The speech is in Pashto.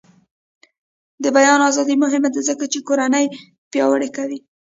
د بیان ازادي مهمه ده ځکه چې کورنۍ پیاوړې کوي.